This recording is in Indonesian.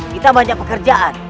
kita banyak pekerjaan